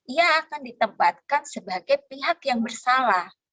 ia akan ditempatkan sebagai pihak yang bersalah